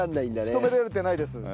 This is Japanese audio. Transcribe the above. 仕留められてないです。